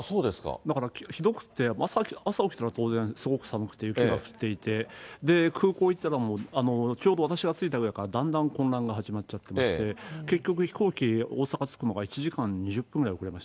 だからひどくて、朝起きたら当然、すごく寒くて雪が降っていて、空港行ったら、ちょうど私が着いたぐらいから、だんだん混乱が始まっちゃってまして、結局飛行機、大阪着くのが１時間２０分ぐらい遅れました。